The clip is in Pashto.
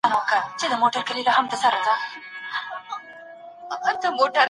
تاسو د تازه میوو په مینځلو بوخت یاست.